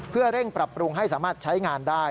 เพื่อเร่งปรับปรุงให้สามารถใช้งานได้